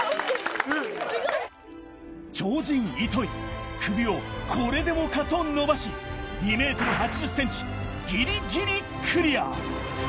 すごい・超人糸井首をこれでもかと伸ばし２ｍ８０ｃｍギリギリクリア